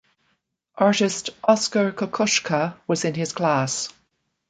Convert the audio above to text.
Artist Oskar Kokoschka was in his class.